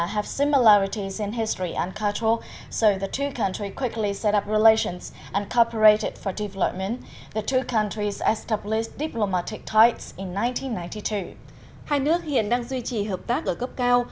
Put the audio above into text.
hai nước hiện đang duy trì hợp tác ở cấp cao